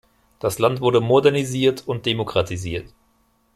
Das Land wurde modernisiert und demokratisiert.